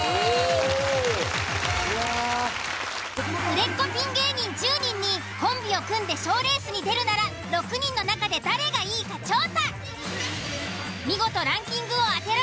売れっ子ピン芸人１０人にコンビを組んで賞レースに出るなら６人の中で誰がいいか調査。